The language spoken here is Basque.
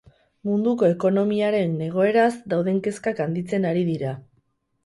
Munduko ekonomiaren egoeraz dauden kezkak handitzen ari dira.